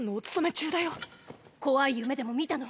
怖い夢でも見たの？